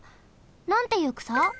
なんていうくさ？